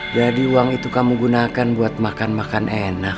jadi uang itu kamu gunakan buat makan makan enak